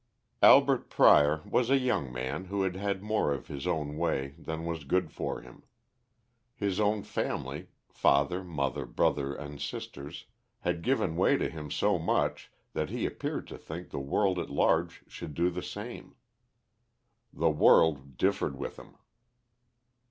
Albert Prior was a young man who had had more of his own way than was good for him. His own family father, mother, brother, and sisters had given way to him so much, that he appeared to think the world at large should do the same. The world differed with him.